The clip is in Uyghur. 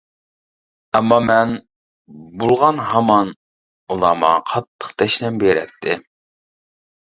ئەمما مەن بۇلىغان ھامان ئۇلار ماڭا قاتتىق دەشنەم بېرەتتى.